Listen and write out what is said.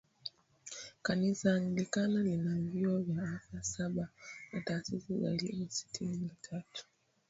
Kanisa Anglikana lina vyuo vya afya saba na taasisi za elimu sitini na tatu